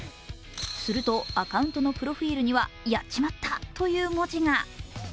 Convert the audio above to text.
するとアカウントのプロフィールには「やっちまった」という文字が。